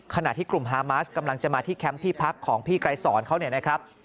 ขณะที่กลุ่มฮามาสกำลังจะมาที่แคมป์ที่พักของพี่ไกรศรเขา